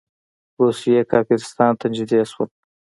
روسیې کافرستان ته نږدې شول.